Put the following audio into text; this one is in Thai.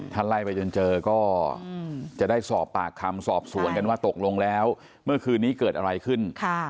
ถ้าไล่ไปจนเจอก็จะได้สอบปากคำสอบสวนกันว่าตกลงแล้วเมื่อคืนนี้เกิดอะไรขึ้น